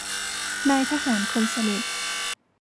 นายทหารคนสนิท